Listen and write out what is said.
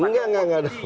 enggak enggak enggak